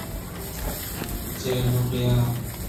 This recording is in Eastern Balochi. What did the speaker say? جہل ءَ بیا